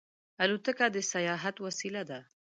الوتکه د سیاحت وسیله ده.